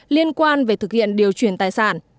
liên quan về thực hiện điều chuyển tài sản